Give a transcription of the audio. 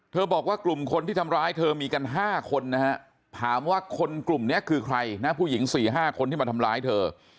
บอกว่ากลุ่มคนที่ทำร้ายเธอมีกัน๕คนนะฮะถามว่าคนกลุ่มนี้คือใครนะผู้หญิง๔๕คนที่มาทำร้ายเธอ